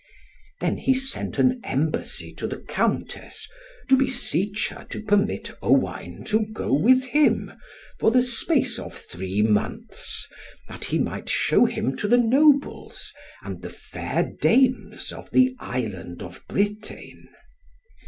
Then he sent an embassy to the Countess, to beseech her to permit Owain to go with him, for the space of three months, that he might shew him to the nobles, and the fair dames of the Island of Britain.